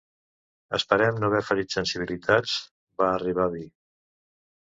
Esperem no haver ferit sensibilitats, va arribar a dir.